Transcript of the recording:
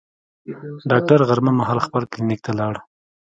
ډاکټر غرمه مهال خپل کلینیک ته لاړ.